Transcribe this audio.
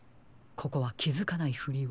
ここはきづかないふりを。